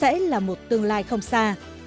hãy đưa ra sẽ là một tương lai không xa